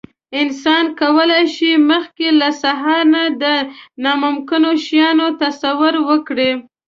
انسان کولی شي، مخکې له سهارنۍ د ناممکنو شیانو تصور وکړي.